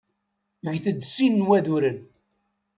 Get-d sin waduren.